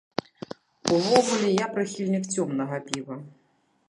Увогуле, я прыхільнік цёмнага піва.